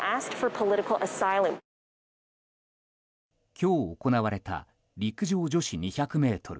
今日、行われた陸上女子２００ｍ。